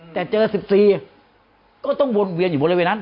แต่เจอ๑๔ก็ต้องวนเวียนอยู่บริเวณนั้น